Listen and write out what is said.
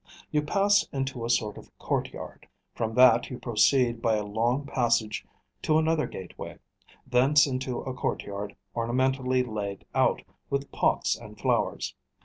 You pass into a sort of courtyard; from that you proceed by a long passage to another gateway, thence into a courtyard ornamentally laid out with pots and flowers.